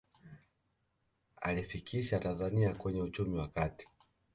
aliifikisha tanzania kwenye uchumi wa kati